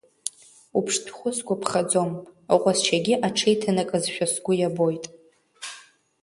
Уԥшҭәхәы сгәаԥхаӡом, уҟазшьагьы аҽеиҭанакызшәа сгәы иабоит.